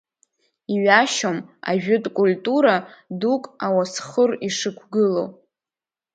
Иҩашьом ажәытә культура дук ауасхыр ишықәгылоу.